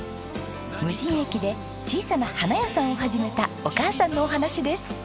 無人駅で小さな花屋さんを始めたお母さんのお話です。